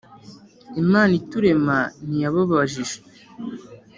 Imana iturema ntiyababajije,